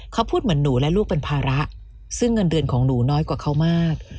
เขาพูดเหมือนหนูและลูกเป็นภาระซึ่งเงินเดือนของหนูน้อยกว่าเขามาก